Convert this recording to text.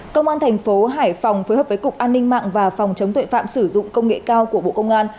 công an thành phố hải phòng phối hợp với cục an ninh mạng và phòng chống tuệ phạm sử dụng công nghệ cao của bộ công an